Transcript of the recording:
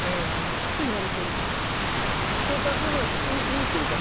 光沢の意味というか？